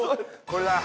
これだ。